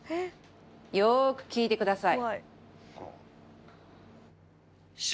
よーく聴いてください